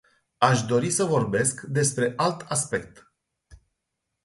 Aș dori să vorbesc despre alt aspect.